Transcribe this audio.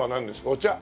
お茶？